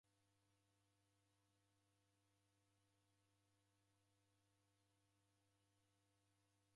Sirikali yafunya basari Kutesia mashomo